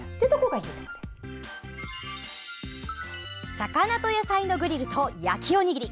魚と野菜のグリルと焼きおにぎり。